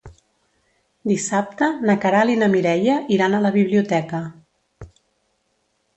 Dissabte na Queralt i na Mireia iran a la biblioteca.